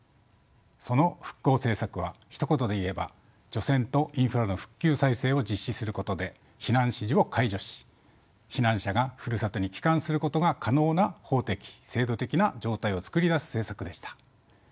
その復興政策はひと言で言えば除染とインフラの復旧・再生を実施することで避難指示を解除し避難者がふるさとに帰還することが可能な法的・制度的な状態を作り出す政策でした。